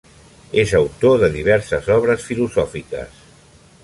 És autor de diverses obres filosòfiques.